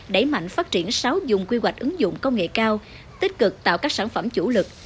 đẩy mạnh phát triển sáu dùng quy hoạch ứng dụng công nghệ cao tích cực tạo các sản phẩm chủ lực